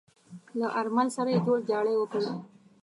له آرمل سره يې جوړجاړی وکړ.